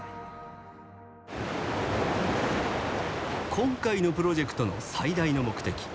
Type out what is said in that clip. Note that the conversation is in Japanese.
今回のプロジェクトの最大の目的。